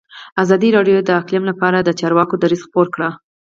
ازادي راډیو د اقلیم لپاره د چارواکو دریځ خپور کړی.